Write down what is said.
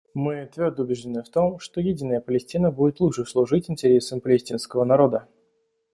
Мы твердо убеждены в том, что единая Палестина будет лучше служить интересам палестинского народа.